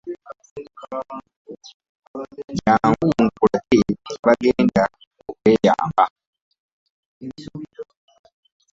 Jangu nkulage gye bagenda okweyamba.